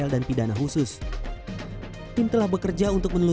dan memegang sendiri atm nya